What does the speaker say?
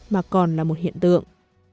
mà còn là một hiện tượng